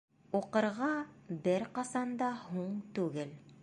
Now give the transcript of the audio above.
Уҡырға бер ҡасан да һуң түгел.